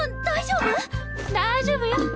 大丈夫よ。